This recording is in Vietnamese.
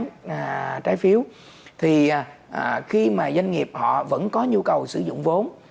tất toán trái phiếu thì khi mà doanh nghiệp họ vẫn có nhu cầu sử dụng vốn